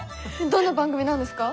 どんな番組なんですか？